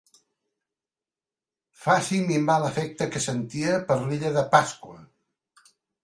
Faci minvar l'afecte que sentia per l'illa de Pasqua.